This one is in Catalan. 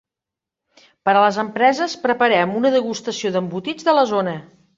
Per a les empreses, preparem una degustació d'embotits de la zona.